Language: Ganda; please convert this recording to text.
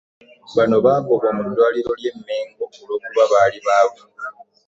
Baano baagobwa mu ddwaliro ly'e Mulago olw'okuba baali baavu.